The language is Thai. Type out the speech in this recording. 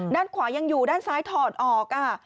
ด้านขวายังอยู่ด้านซ้ายถอดออก